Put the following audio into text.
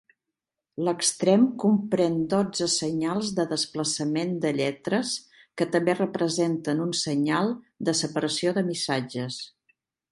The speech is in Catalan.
L'extrem comprèn dotze senyals de desplaçament de lletres que també representen un senyal de separació de missatges.